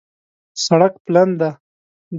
سړک پلن دی